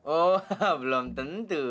oh belum tentu